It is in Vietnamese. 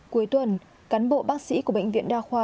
cuối tuần cán bộ bác sĩ của bệnh viện đa khoa